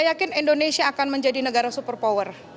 saya yakin indonesia akan menjadi negara super power